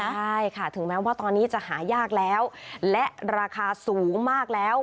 ใช่ค่ะถึงแม้ว่าตอนนี้จะหายากแล้วและราคาสูงมากแล้ว